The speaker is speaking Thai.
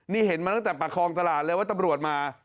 นี่เห็นมาตั้งแต่ประคองตลาดเลยว่าตำรวจมา